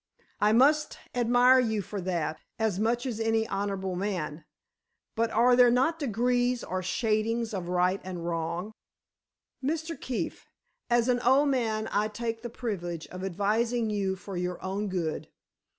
"I must admire you for that, as must any honorable man. But are there not degrees or shadings of right and wrong——" "Mr. Keefe, as an old man, I take the privilege of advising you for your own good.